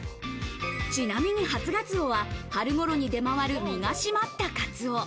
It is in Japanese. ちなみに初ガツオは春頃に出回る身が締まったカツオ。